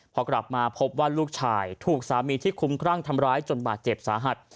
พอกลับมาพบว่าลูกชายถูกสามีที่คุ้มครั่งทำร้ายจนบาดเจ็บสาหัส